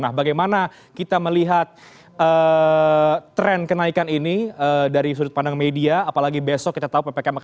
nah bagaimana kita melihat tren kenaikan ini dari sudut pandang media apalagi besok kita tahu ppkm akan